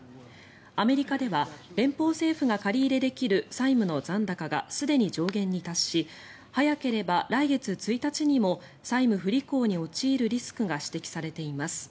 アメリカでは連邦政府が借り入れできる債務の残高がすでに上限に達し早ければ来月１日にも債務不履行に陥るリスクが指摘されています。